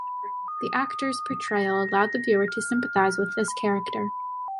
The actor's portrayal allowed the viewer to sympathise with this character.